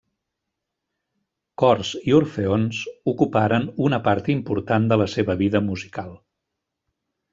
Cors i orfeons ocuparen una part important de la seva vida musical.